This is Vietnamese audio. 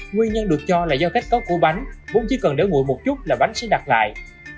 nguyên nhân được cho là do kết cấu của bánh bún chỉ cần để nguội một chút là bánh sẽ đặt lại